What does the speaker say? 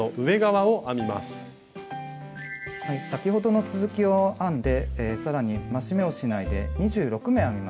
先ほどの続きを編んでさらに増し目をしないで２６目編みます。